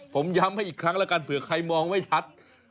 ผมย้ำให้อีกครั้งแล้วกันเผื่อใครมองไม่ชัด